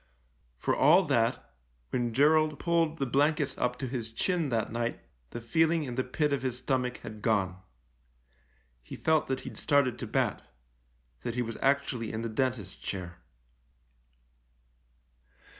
For all that, when Gerald pulled the blankets up to his chin that night the feeling in the pit of his stomach had gone. He felt that he'd started to bat — that he was actually in the dentist's chair.